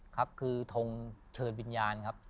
ครับคือทงเชิญวิญญาณครับ